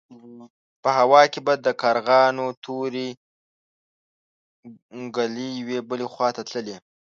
په هوا کې به د کارغانو تورې ګلې يوې بلې خوا ته تللې.